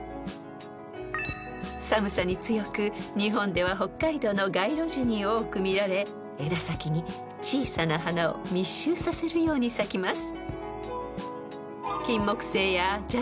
［寒さに強く日本では北海道の街路樹に多く見られ枝先に小さな花を密集させるように咲きます］